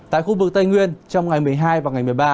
tại khu vực tây nguyên trong ngày một mươi hai và ngày một mươi ba